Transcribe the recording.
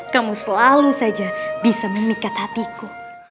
kamu selalu saja bisa memikat hatiku